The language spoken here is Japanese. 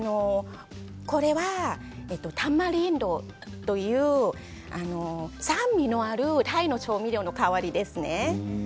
これはタマリンドという酸味のあるタイの調味料の代わりです。